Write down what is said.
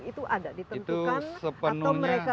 itu ada ditentukan atau mereka sendiri yang menentukan